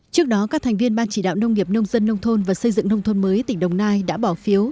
trước đó các thành viên ban chỉ đạo nông nghiệp nông dân nông thôn và xây dựng nông thôn mới tỉnh đồng nai đã bỏ phiếu